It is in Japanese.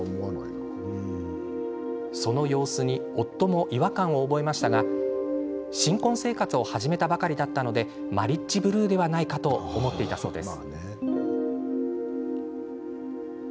その様子に夫も違和感を覚えましたが新婚生活を始めたばかりだったのでマリッジブルーではないかと思っていたそうです。